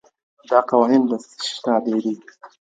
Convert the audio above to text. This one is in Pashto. دا قوانين د څه سي تابع دي؟